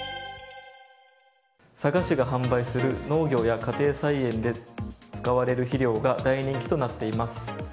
佐賀市が販売する農業や家庭菜園で使われる肥料が大人気となっています。